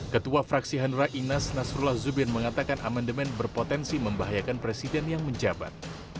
ketua fraksi hanura inas nasrullah zubir mengatakan amandemen berpotensi membahayakan presiden yang menjabat